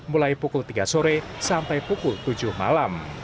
mulai pukul tiga sore sampai pukul tujuh malam